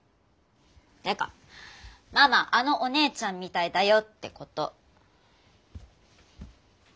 ていうかママあのお姉ちゃんみたいだよってこと。